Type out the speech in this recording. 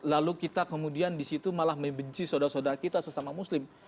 lalu kita kemudian di situ malah membenci sodara sodara kita sesama muslim